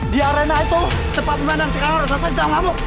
di arena itu tempat pemandang sekarang raksasa sudah mengamuk